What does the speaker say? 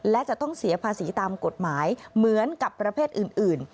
และจะต้องเสียภาษีตามกฎหมายเหมือนกับประเภทอื่น